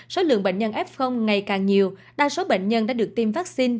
số lượng bệnh nhân f ngày càng nhiều đa số bệnh nhân đã được tiêm vaccine